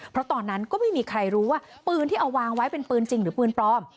เพราะตอนนั้นก็ไม่มีใครรู้ว่าปืนที่เอาวางไว้เป็นปืนจริงหรือปืนปลอม